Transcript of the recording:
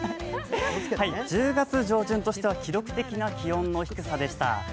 １０月上旬としては記録的な気温の低さでした。